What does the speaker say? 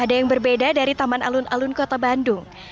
ada yang berbeda dari taman alun alun kota bandung